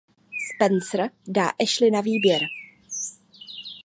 Spencer dá Ashley na výběr.